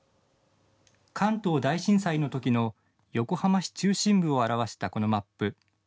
関東大震災の時の横浜市中心部を表したこのマップ。